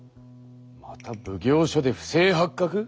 また奉行所で不正発覚？